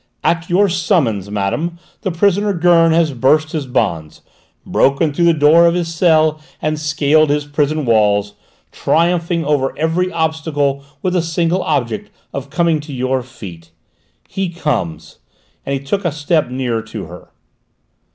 "At your summons, madame, the prisoner Gurn has burst his bonds, broken through the door of his cell, and scaled his prison walls, triumphing over every obstacle with the single object of coming to your feet. He comes " and he took a step nearer to her.